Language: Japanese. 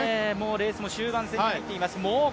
レースも終盤戦に入っています。